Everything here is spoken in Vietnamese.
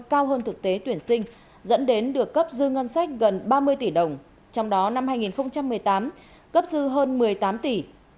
cao hơn thực tế tuyển sinh dẫn đến được cấp dư ngân sách gần ba mươi tỷ đồng trong đó năm hai nghìn một mươi tám cấp dư hơn một mươi tám tỷ